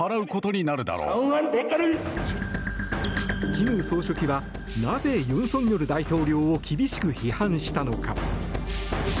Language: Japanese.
金総書記はなぜ、尹錫悦大統領を厳しく批判したのか。